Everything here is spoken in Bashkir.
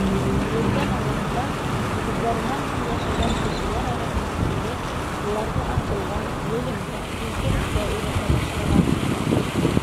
Терелгән алыптар, үҙҙәренән һуң йәшәгән кешеләр араһына килеп, уларҙы аҡылға, ғилемгә, изгелеккә өйрәтә башлаған.